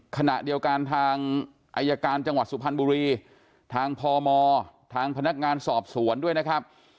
ขณะเดียวกันทางอายการจังหวัดสุพรรณบุรีทางพมทางพนักงานสอบสวนด้วยนะครับ